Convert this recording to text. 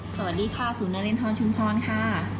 สวัสดีค่ะศูนย์นารินทรชุมพรค่ะ